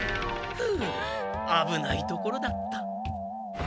ふうあぶないところだった。